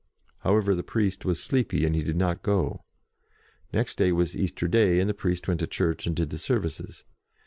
However, the priest was sleepy, and he did not go. Next day was Easter Day, and the priest went to church and did the services.